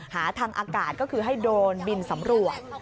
หาทางอากาศก็คือให้โดรนบินสำรวจ